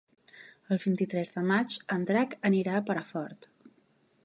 El vint-i-tres de maig en Drac anirà a Perafort.